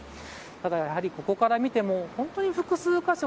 ただ、ここから見ても本当に複数箇所